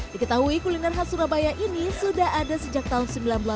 diketahui kuliner khas surabaya ini sudah ada sejak tahun seribu sembilan ratus delapan puluh